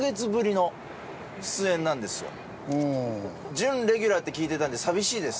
準レギュラーって聞いてたので寂しいです。